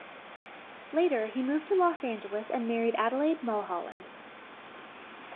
Later, he moved to Los Angeles and married Adelaide Mulholland.